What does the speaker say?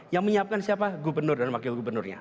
yang menyiapkan siapa gubernur dan wakil gubernurnya